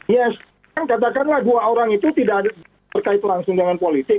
ya katakanlah dua orang itu tidak terkait langsung dengan politik